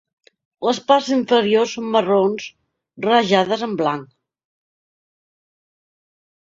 Les parts inferiors són marrons rajades amb blanc.